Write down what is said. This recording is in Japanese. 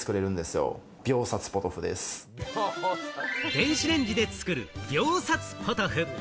電子レンジで作る秒殺ポトフ。